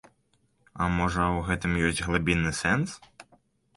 А можа, у гэтым ёсць глыбінны сэнс?